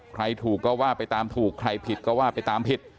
ใครถูกก็ว่าไปตามถูกใครผิดก็ว่าไปตามผิด